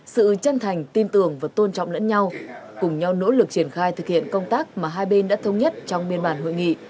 sự chân thành tin tưởng và tôn trọng lẫn nhau cùng nhau nỗ lực triển khai thực hiện công tác mà hai bên đã thống nhất trong biên bản hội nghị